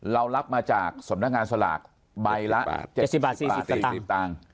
เรารับมาจากสำนักงานสลากใบละ๗๐บาท๔๐สตางค์